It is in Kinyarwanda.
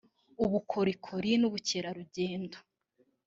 ubukorikori n’ubukerarugendo